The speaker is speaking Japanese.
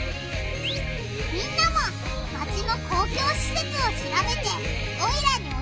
みんなもマチの公共しせつをしらべてオイラに教えてくれよな！